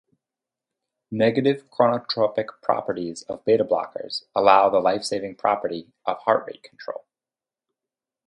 Negative chronotropic properties of beta blockers allow the lifesaving property of heart rate control.